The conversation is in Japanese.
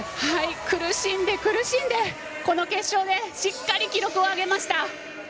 苦しんで苦しんでこの決勝でしっかり記録を上げました。